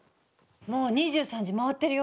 もう２３時回ってるよ。